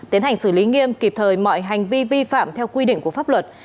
tiến hành xử lý nghiêm kịp thời mọi hành vi vi phạm theo quy định của pháp luật